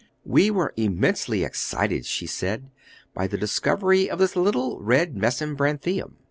"We were immensely excited," she says, "by the discovery of this little red mesembryanthemum.